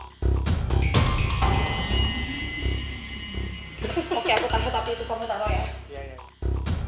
oke aku taruh taruh